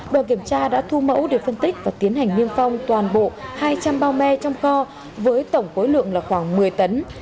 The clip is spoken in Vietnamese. đoàn kiểm tra đã thu mẫu để phân tích và tiến hành niêm phong toàn bộ hai trăm linh bao me trong kho với tổng khối lượng là khoảng một mươi tấn